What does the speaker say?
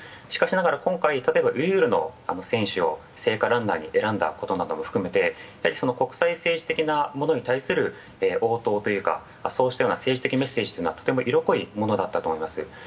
しかしながら今回、例えばウイグルの選手を聖火ランナーに選んだことなども含めて、その国際政治的なものに対する応答というか、そうしたような政治的メッセージというのは、非常に色濃いものだったと思っています。